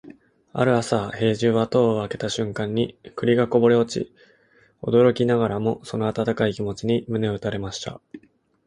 ある朝、兵十は戸を開けた瞬間に栗がこぼれ落ち、驚きながらもその温かい気持ちに胸を打たれました。